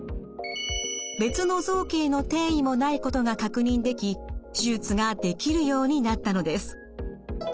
別の臓器への転移もないことが確認でき手術ができるようになったのです。